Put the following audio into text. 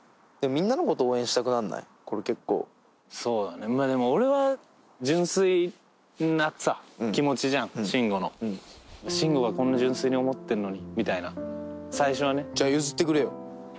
でもみんなのこと応援したくなんない？これ結構そうだねまあでも俺は純粋なさ気持ちじゃん慎吾のうん慎吾がこんな純粋に思ってるのにみたいな最初はねじゃあ譲ってくれよ